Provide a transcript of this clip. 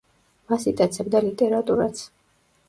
მას იტაცებდა ლიტერატურაც.